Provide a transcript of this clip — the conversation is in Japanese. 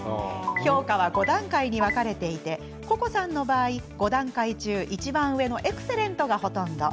評価は５段階に分かれていてココさんの場合、５段階中いちばん上のエクセレントがほとんど。